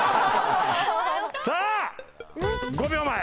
さあ５秒前。